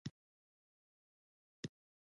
د تذکرو مرکز اصلاحاتو ته اړتیا لري.